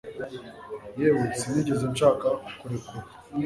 yewe, sinigeze nshaka kukurekura .